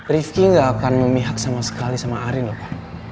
rifki gak akan memihak sama sekali sama arin lho pa